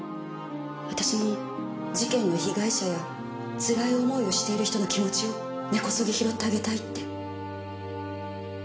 私も事件の被害者や辛い思いをしている人の気持ちを根こそぎ拾ってあげたいって。